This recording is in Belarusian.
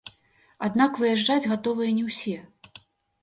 Аднак выязджаць гатовыя не ўсе.